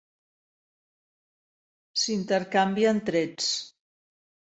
S'intercanvien trets.